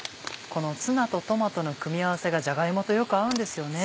このツナとトマトの組み合わせがじゃが芋とよく合うんですよね。